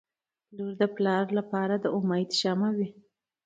• لور د پلار لپاره د امید شمعه وي.